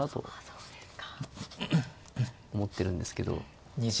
そうですね。